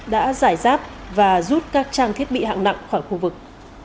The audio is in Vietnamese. đã giải giáp và rút các trang thiết bị hạng nặng khỏi khu vực